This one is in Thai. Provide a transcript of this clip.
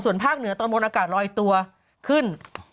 ส่วนภาคเหนือตอนบนอากาศลอยตัวขึ้น